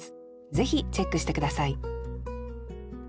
ぜひチェックして下さい